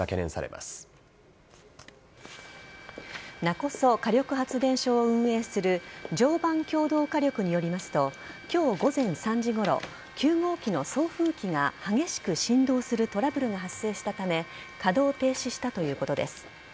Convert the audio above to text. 勿来火力発電所を運営する常磐共同火力によりますと今日午前３時ごろ９号機の送風機が激しく振動するトラブルが発生したため稼働停止したということです。